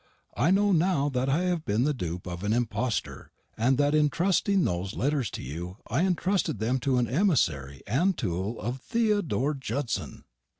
I know now that I have been the dupe of an impostor, and that in entrusting those letters to you I entrusted them to an emissary and tool of THEODORE JUDSON."